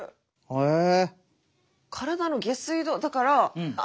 へえ。